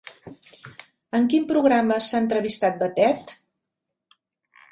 En quin programa s'ha entrevistat Batet?